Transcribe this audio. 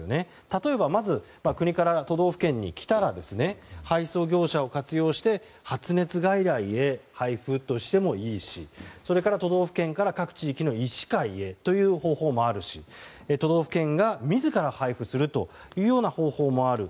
例えばまず国から都道府県に来たら配送業者を活用して発熱外来へ配布としてもいいしそれから都道府県から各地域の医師会へという方法もあるし都道府県が自ら配布する方法もある。